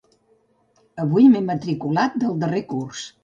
Avui m'he matriculat del darrer curs.